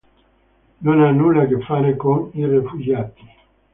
Non ha nulla a che fare con i rifugiati.